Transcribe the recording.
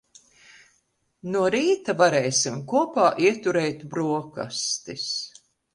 No rīta varēsim kopā ieturēt broksastis.